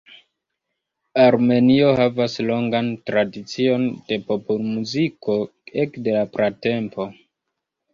Armenio havas longan tradicion de popolmuziko ekde la pratempo.